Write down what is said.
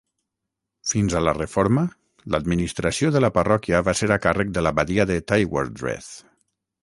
Fins a la Reforma, l'administració de la parròquia va ser a càrrec de l'abadia de Tywardreath.